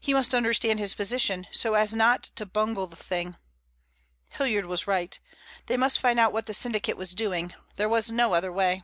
He must understand his position, so as not to bungle the thing. Hilliard was right. They must find out what the syndicate was doing. There was no other way.